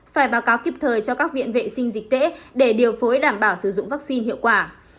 phải báo cáo kịp thời cho các viện vệ sinh dịch tễ để điều phối đảm bảo sử dụng vaccine hiệu quả